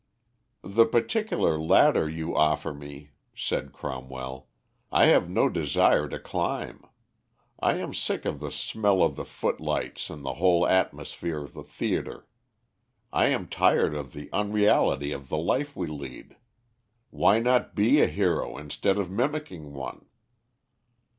"The particular ladder you offer me," said Cromwell, "I have no desire to climb; I am sick of the smell of the footlights and the whole atmosphere of the theatre. I am tired of the unreality of the life we lead. Why not be a hero instead of mimicking one?"